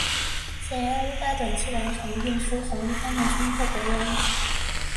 显然无法短期完成运输红一方面军渡河任务。